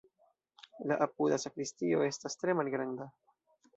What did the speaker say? La apuda sakristio estas tre malgranda.